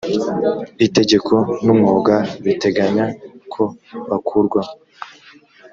itegeko n umwuga biteganya ko bakurwaho